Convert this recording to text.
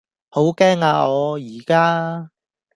好驚呀我宜家